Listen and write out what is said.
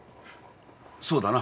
そうだな？